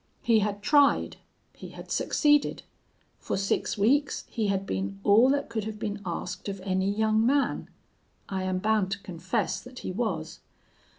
He had tried. He had succeeded. For six weeks he had been all that could have been asked of any young man. I am bound to confess that he was!...